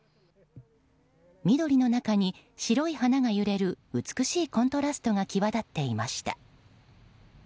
緑の中に、白い花が揺れる美しいコントラストが際立っていました。